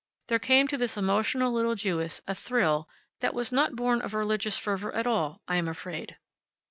There came to this emotional little Jewess a thrill that was not born of religious fervor at all, I am afraid.